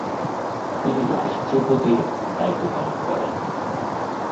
তিনি রাষ্ট্রপতির দায়িত্ব পালন করেন।